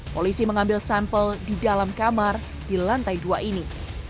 polisi mengambil sampel di dalam kamar di lantai dua ini